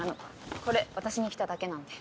これ渡しに来ただけなんで。